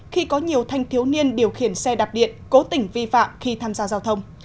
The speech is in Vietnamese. khi có nhiều thanh thiếu niên điều khiển xe đạp điện cố tình vi phạm khi tham gia giao thông